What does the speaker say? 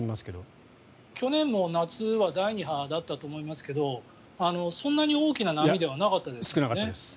去年も夏は第２波だったと思いますがそんなに大きな波ではなかったですよね。